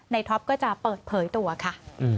ท็อปก็จะเปิดเผยตัวค่ะ